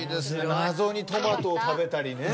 謎にトマトを食べたりね。